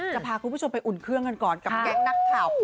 จะพาคุณผู้ชมไปอุ่นเครื่องกันก่อนกับแก๊งนักข่าว